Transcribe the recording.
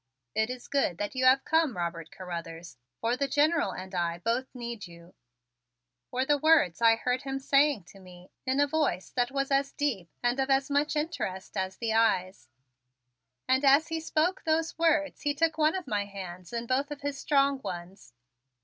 "It is good that you have come, Robert Carruthers, for the General and I both need you," were the words I heard him saying to me in a voice that was as deep and of as much interest as the eyes, and as he spoke those words he took one of my hands in both of his strong ones.